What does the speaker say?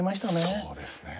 そうですね。